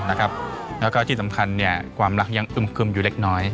แล้วก็ที่สำคัญความรักยังอึมคึมอยู่เล็กน้อย